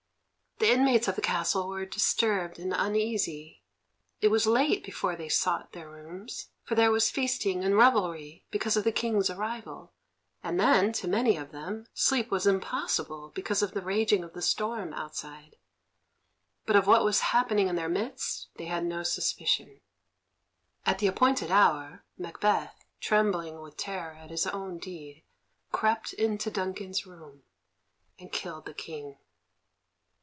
The inmates of the castle were disturbed and uneasy; it was late before they sought their rooms, for there was feasting and revelry because of the King's arrival; and, then, to many of them, sleep was impossible, because of the raging of the storm outside. But of what was happening in their midst they had no suspicion. At the appointed hour, Macbeth, trembling with terror at his own deed, crept into Duncan's room, and killed the King.